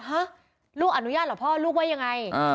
ฮะลูกอนุญาตเหรอพ่อลูกว่ายังไง